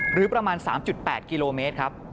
หรือประมาณ๓๘กิโลเมตรครับ